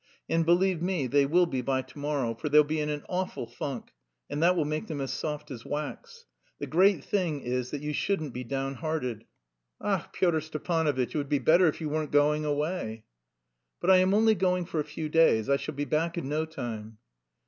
and believe me, they will be by to morrow, for they'll be in an awful funk, and that will make them as soft as wax.... The great thing is that you shouldn't be downhearted." "Ach, Pyotr Stepanovitch, it would be better if you weren't going away." "But I am only going for a few days; I shall be back in no time."